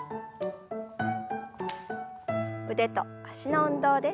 腕と脚の運動です。